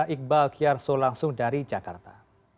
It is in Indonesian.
iqbal kiarso langsung dari jakarta